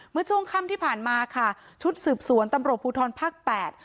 เมื่อช่วงค่ำที่ผ่านมาค่ะชุดสืบสวนตำรวจภูทรภาคแปด